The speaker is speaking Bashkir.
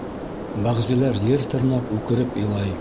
Бәғзеләр ер тырнап үкереп илай.